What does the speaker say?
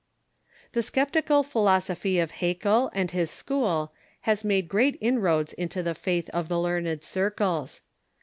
The sceptical philosophy of Haeckel and his school has made great inroads into the faith of the learned circles.